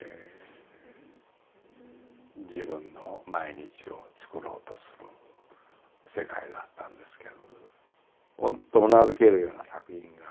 自分の毎日をつくろうとする世界だったんですけど「うん」とうなずけるような作品がね